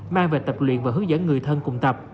mang về tập luyện và hướng dẫn người thân cùng tập